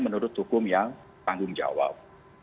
menurut hukum yang tanggung jawab